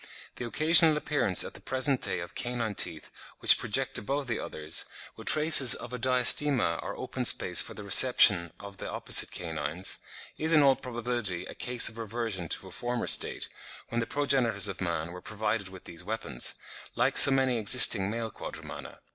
The occasional appearance at the present day of canine teeth which project above the others, with traces of a diastema or open space for the reception of the opposite canines, is in all probability a case of reversion to a former state, when the progenitors of man were provided with these weapons, like so many existing male Quadrumana.